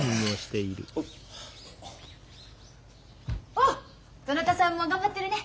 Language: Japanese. あっどなたさんも頑張ってるね。